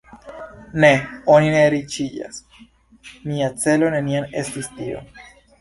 Ne, oni ne riĉiĝas … Mia celo neniam estis tio.